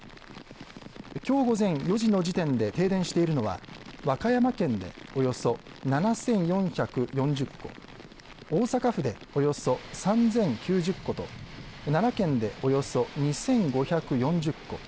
きょう午前４時の時点で停電しているのは和歌山県でおよそ７４４０戸大阪府でおよそ３０９０戸奈良県でおよそ２５４０戸